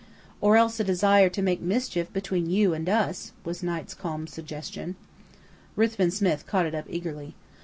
"Or else a desire to make mischief between you and us," was Knight's calm suggestion. Ruthven Smith caught it up, eagerly.